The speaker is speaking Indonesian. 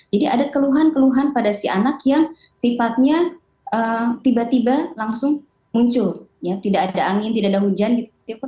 jadi ada keluhan keluhan pada si anak yang sifatnya tiba tiba langsung muncul ya tidak ada angin tidak ada hujan gitu